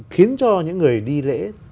khiến cho những người đi lễ